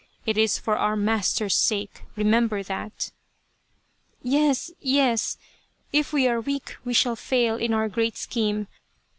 It is for our master's sake, remember that !"" Yes, yes, if we are weak we shall fail in our great scheme.